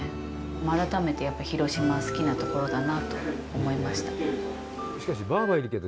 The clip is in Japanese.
改めて、やっぱり広島は好きなところだなと思いました。